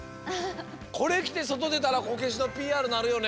これきてそとでたらこけしのＰＲなるよね。